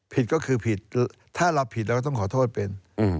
ผิดก็คือผิดถ้าเราผิดเราก็ต้องขอโทษเป็น